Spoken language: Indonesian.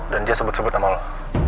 dan dia sebut sebut nama lo